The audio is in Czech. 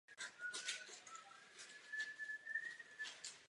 Nic není levnější a nic nevytvoří více pracovních míst.